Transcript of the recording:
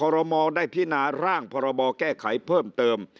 และคยมได้พินาส์ร่างพบแก้ไขเพิ่มเติม